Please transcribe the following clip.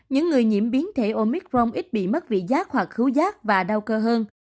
những biến thể omicron ít bị mất vị giác hoặc khú giác và đau cơ hơn